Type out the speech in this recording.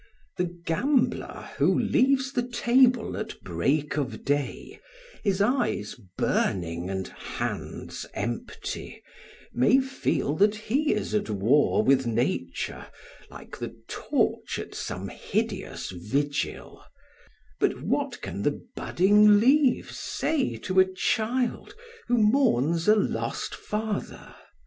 The gambler who leaves the table at break of day, his eyes burning and hands empty, may feel that he is at war with nature like the torch at some hideous vigil; but what can the budding leaves say to a child who mourns a lost father?